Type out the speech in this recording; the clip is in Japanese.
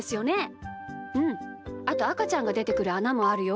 あとあかちゃんがでてくるあなもあるよ。